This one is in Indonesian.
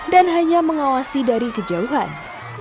dan hanya mengawasi dari kejauhan